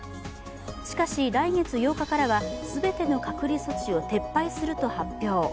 しかし、来月８日からは全ての隔離措置を撤廃すると発表。